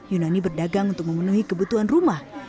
yunani berdagang untuk memenuhi kebutuhan rumah